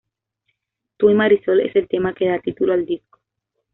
Tú y Marisol es el tema que da título al disco.